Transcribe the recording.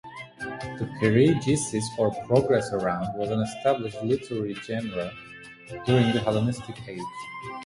The "periegesis", or "progress around" was an established "literary" genre during the Hellenistic age.